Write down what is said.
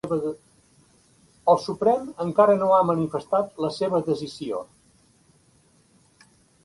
El Suprem encara no ha manifestat la seva decisió